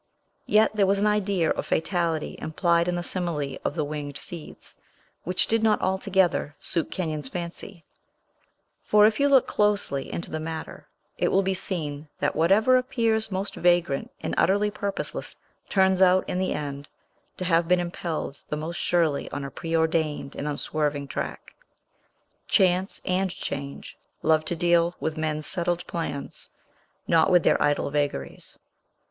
Yet there was an idea of fatality implied in the simile of the winged seeds which did not altogether suit Kenyon's fancy; for, if you look closely into the matter, it will be seen that whatever appears most vagrant, and utterly purposeless, turns out, in the end, to have been impelled the most surely on a preordained and unswerving track. Chance and change love to deal with men's settled plans, not with their idle vagaries.